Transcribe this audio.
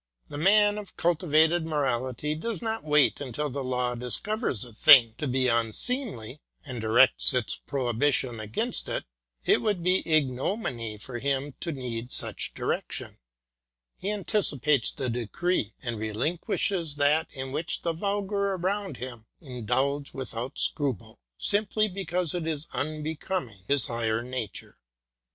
The man of cultivated morality does not wait until the law discovers a thing to be unseemly, and directs its prohibition against it, it would be ignominy for him to need such direction; he antici pates the decree, and relinquishes that in which the vulgar around him indulge without scruple, simply because it is unbecoming his higher nature.